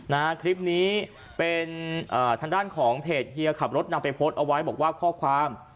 นะฮะคลิปนี้เป็นอ่าทางด้านของเพจเฮียขับรถนำไปโพสต์เอาไว้บอกว่าข้อความ